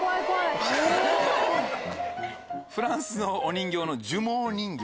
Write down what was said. フランスのお人形のジュモー人形。